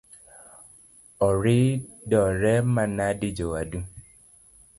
Oridore manade jowadu?